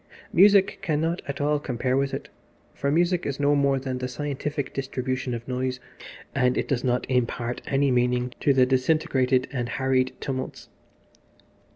Music cannot at all compare with it, for music is no more than the scientific distribution of noise, and it does not impart any meaning to the disintegrated and harried tumults.